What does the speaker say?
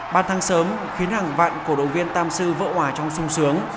ban tháng sớm khiến hàng vạn cầu động viên tamsu vỡ hòa trong sung sướng